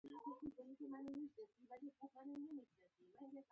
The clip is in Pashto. پوست دوه مربع متره ده.